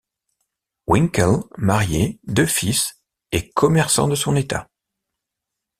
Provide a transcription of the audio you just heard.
Winkel, marié, deux fils, est commerçant de son état.